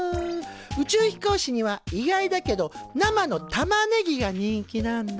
宇宙飛行士には意外だけど生のタマネギが人気なんだ。